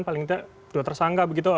paling tidak dua tersangka begitu